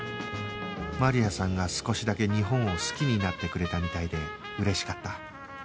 マリアさんが少しだけ日本を好きになってくれたみたいで嬉しかった